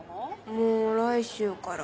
もう来週から。